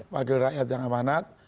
wakil rakyat yang amanat